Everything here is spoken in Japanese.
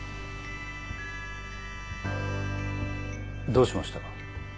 どうしましたか？